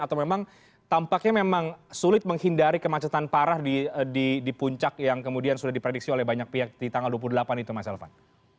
atau memang tampaknya memang sulit menghindari kemacetan parah di puncak yang kemudian sudah diprediksi oleh banyak pihak di tanggal dua puluh delapan itu mas elvan